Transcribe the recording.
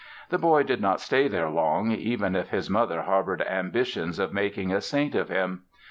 The boy did not stay there long even if his mother harbored ambitions of making a saint of him.